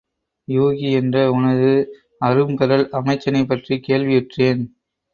யூகி என்ற உனது அரும் பெறல் அமைச்சனைப் பற்றிக் கேள்வியுற்றேன்.